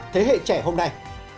thế hệ trẻ hôm nay